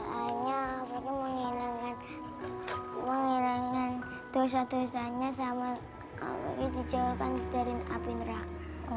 doanya menghilangkan dosa dosanya sama dijauhkan dari api neraka